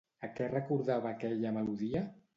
A què recordava aquella melodia?